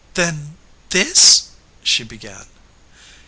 "Then this " she began.